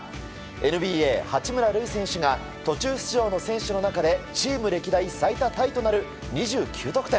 ＮＢＡ、八村塁選手選手が途中出場の選手の中でチーム歴代最多タイとなる２９得点。